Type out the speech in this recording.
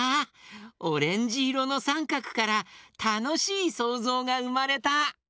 オレンジいろのさんかくからたのしいそうぞうがうまれた！